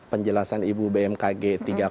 penjelasan ibu bmkg tiga empat